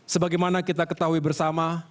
sebagaimana kita ketahui bersama